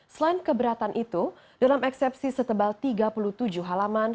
selain keberatan itu dalam eksepsi setebal tiga puluh tujuh halaman